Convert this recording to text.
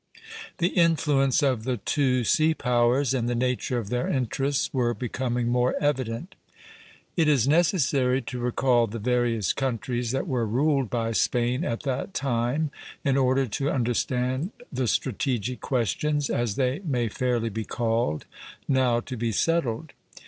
The influence of the two sea powers and the nature of their interests were becoming more evident. It is necessary to recall the various countries that were ruled by Spain at that time in order to understand the strategic questions, as they may fairly be called, now to be settled.